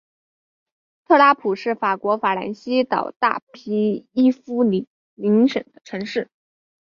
特拉普是法国法兰西岛大区伊夫林省的城市。